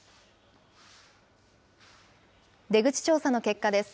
出口調査の結果です。